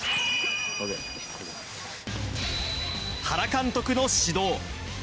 原監督の指導。